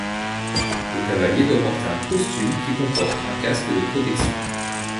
Le cavalier doit porter un costume qui comporte un casque de protection.